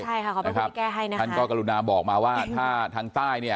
ใช่ค่ะเขาเป็นคนที่แก้ให้นะคะท่านก็กรุณาบอกมาว่าถ้าทางใต้เนี่ย